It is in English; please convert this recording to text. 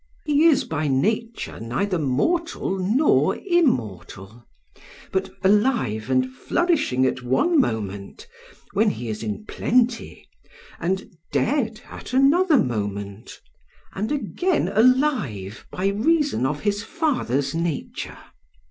He is by nature neither mortal nor immortal, but alive and flourishing at one moment when he is in plenty, and dead at another moment, and again alive by reason of his father's nature.